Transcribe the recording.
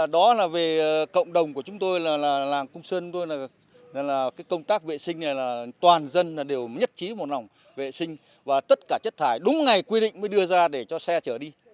đó là về cộng đồng của chúng tôi là làng cung sơn của tôi là công tác vệ sinh này là toàn dân đều nhất trí một lòng vệ sinh và tất cả chất thải đúng ngày quy định mới đưa ra để cho xe chở đi